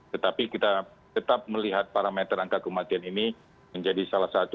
tetapi kita tetap melihat parameter angka kematian ini menjadi salah satu